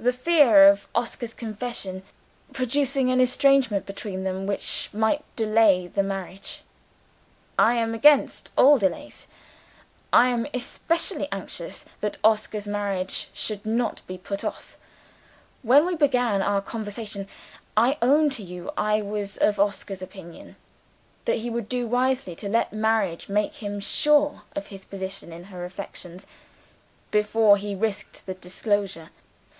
"The fear of Oscar's confession producing an estrangement between them which might delay the marriage. I am against all delays. I am especially anxious that Oscar's marriage should not be put off. When we began our conversation, I own to you I was of Oscar's opinion that he would do wisely to let marriage make him sure of his position in her affections, before he risked the disclosure.